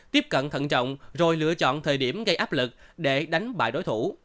tiếp cận thận trọng rồi lựa chọn thời điểm gây áp lực để đánh bại đối thủ